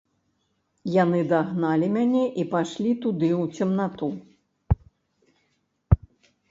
Яны дагналі мяне і пайшлі туды, у цемнату.